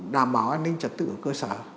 đảm bảo an ninh trật tự ở cơ sở